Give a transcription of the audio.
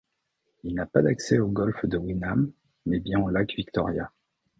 Il n'a pas d'accès au golfe de Winam mais bien au lac Victoria.